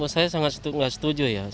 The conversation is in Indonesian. saya sangat nggak setuju ya